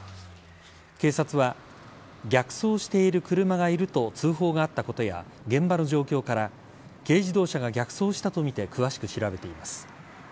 警察は逆走している車がいると通報があったことや現場の状況から軽自動車が逆走したとみて詳しく調べています。